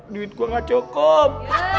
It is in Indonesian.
duit gue gak cukup